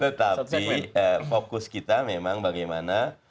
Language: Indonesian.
tetapi fokus kita memang bagaimana